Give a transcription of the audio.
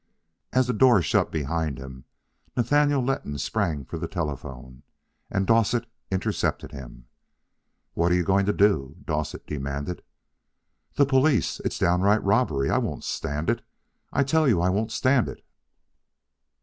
As the door shut behind him, Nathaniel Letton sprang for the telephone, and Dowsett intercepted him. "What are you going to do?" Dowsett demanded. "The police. It's downright robbery. I won't stand it. I tell you I won't stand it."